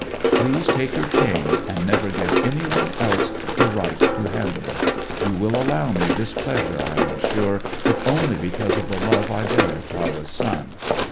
"Please take her chain, and never give any one else the right to handle it. You will allow me this pleasure, I am sure, if only because of the love I bear Tara's son."